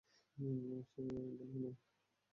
সে এখানে নেই!